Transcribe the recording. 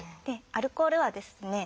アルコールはですね